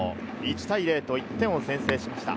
１対０と１点を先制しました。